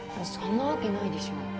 そんなわけないでしょ